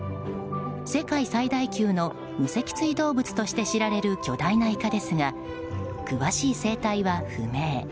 世界最大級の無脊椎動物として知られる巨大なイカですが詳しい生態は不明。